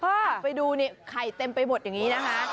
ไปดูเนี่ยไข่เต็มไปหมดอย่างนี้นะคะ